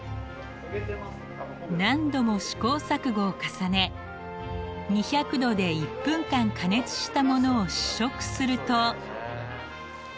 何度も試行錯誤を重ね２００℃で１分間加熱したものを試食すると。